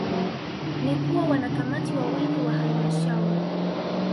ni kuwa Wanakamati wawili wa Halmashauri